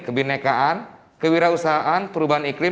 kebinekaan kewirausahaan perubahan iklim